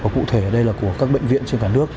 cụ thể ở đây là của các bệnh viện trên cả nước